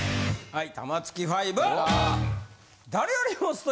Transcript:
はい。